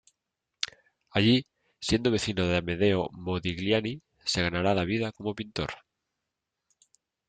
Allí, siendo vecino de Amedeo Modigliani, se ganará la vida como pintor.